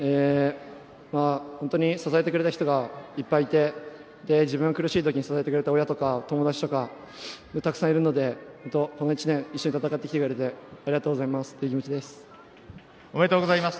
支えてくれた人がいっぱいいて自分が苦しいときに支えてくれた親とか友達とかたくさんいるのでこの１年一緒に戦ってきてくれてありがとうございますというおめでとうございました。